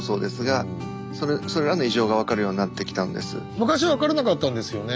昔は分からなかったんですよね？